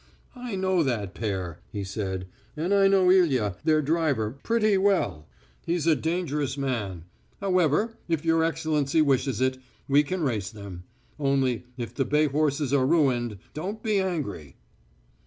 "I know that pair," he said, "and I know Ilya, their driver, pretty well. He's a dangerous man. However, if your Excellency wishes it, we can race them. Only, if the bay horses are ruined, don't be angry."